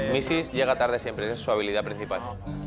มิซิสเข้ามาตลอดทุกวันนั่นคือศัพท์ที่สุดท้าย